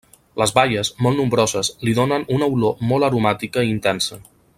Les baies, molt nombroses, li donen una olor molt aromàtica i intensa.